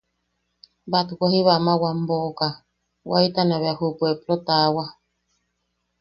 Batwe jiba ama wam boʼoka, waitana bea ju puepplo taawa.